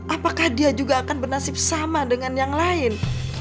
apakah dia juga akan bernasib sama dengan yang lain